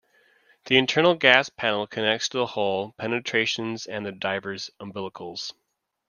The internal gas panel connects to the hull penetrations and the diver's umbilicals.